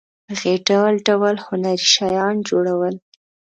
هغې ډول ډول هنري شیان جوړول.